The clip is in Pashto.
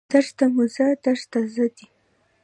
درس ته مه ځه درس ته ځه دي